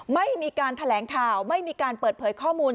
ไม่มีการแถลงข่าวไม่มีการเปิดเผยข้อมูล